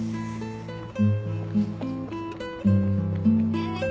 ねえねえ。